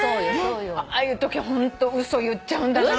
ああいうときはホント嘘言っちゃうんだなと。